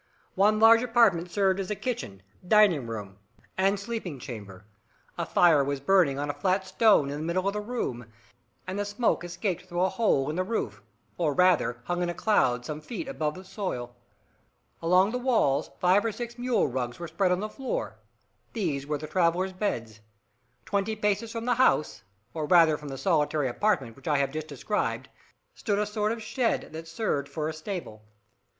One large apartment served as kitchen, dining room, and sleeping chamber. A fire was burning on a flat stone in the middle of the room, and the smoke escaped through a hole in the roof, or rather hung in a cloud some feet above the soil. Along the walls five or six mule rugs were spread on the floor. These were the travellers' beds. Twenty paces from the house, or rather from the solitary apartment which I have just described, stood a sort of shed, that served for a stable.